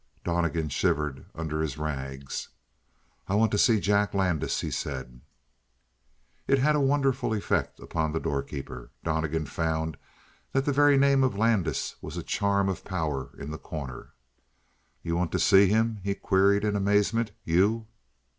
Donnegan shivered under his rags. "I want to see Jack Landis," he said. It had a wonderful effect upon the doorkeeper. Donnegan found that the very name of Landis was a charm of power in The Corner. "You want to see him?" he queried in amazement. "You?"